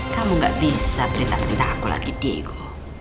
kamu gak bisa beritahu aku lagi diego